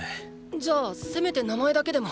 じゃあせめて名前だけでもーー。